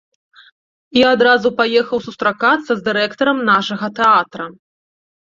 І адразу паехаў сустракацца з дырэктарам нашага тэатра.